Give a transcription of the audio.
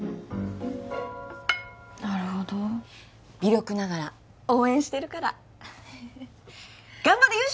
なるほど微力ながら応援してるから頑張れ勇者！